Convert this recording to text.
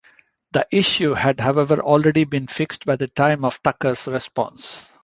The issue had however already been fixed by the time of Tucker's response.